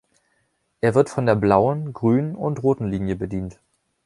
Er wird von der Blauen, Grünen und Roten Linie bedient.